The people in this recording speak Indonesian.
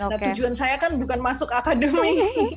nah tujuan saya kan bukan masuk akademi